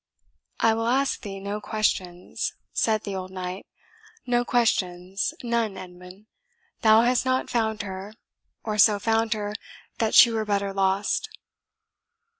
"I will ask thee no questions," said the old knight; "no questions none, Edmund. Thou hast not found her or so found her, that she were better lost."